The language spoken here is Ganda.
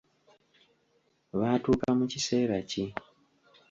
Baatuuka mu kiseera ki?